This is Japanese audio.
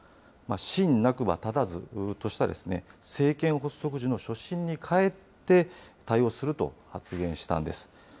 信なくば立たずとした、政権発足時の初心に帰って対応すると発言したんです。